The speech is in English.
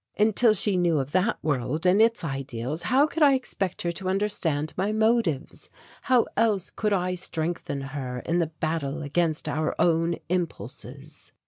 Until she knew of that world and its ideals, how could I expect her to understand my motives? How else could I strengthen her in the battle against our own impulses?